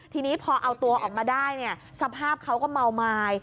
ทีนี้พอเอาตัวออกมาได้เนี่ยสภาพเขาก็เมาไม้